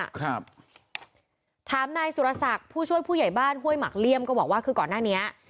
ครับถามนายสุรศักดิ์ผู้ช่วยผู้ใหญ่บ้านห้วยหมักเลี่ยมก็บอกว่าคือก่อนหน้านี้